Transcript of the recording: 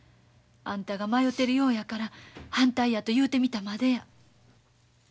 あんたが迷うてるようやから反対やと言うてみたまでや。